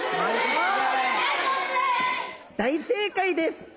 大正解です。